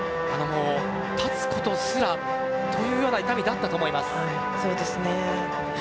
立つことすら、というような痛みだったと思います。